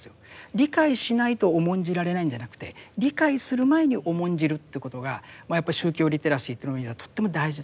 理解しないと重んじられないんじゃなくて理解する前に重んじるということがやっぱり宗教リテラシーという意味ではとっても大事だ。